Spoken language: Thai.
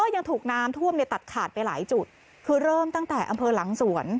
ยังถูกน้ำท่วมเนี่ยตัดขาดไปหลายจุดคือเริ่มตั้งแต่อำเภอหลังสวน